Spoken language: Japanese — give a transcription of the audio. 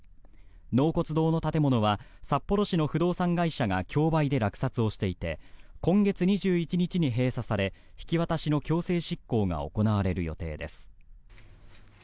納骨堂の建物は札幌市の不動産会社が競売で落札をしていて今月２１日に閉鎖され引き渡しの強制執行が行われる予定です。